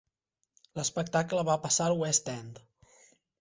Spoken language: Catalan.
L'espectacle va passar al West End.